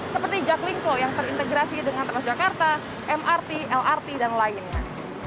seperti jaklinko yang terintegrasi dengan teras jakarta mrt lrt dan lainnya